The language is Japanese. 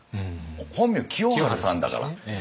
本名清張さんだから。